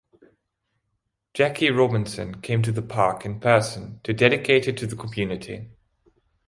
Jackie Robinson came to the park in person to dedicate it to the community.